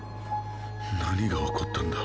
何が起こったんだ。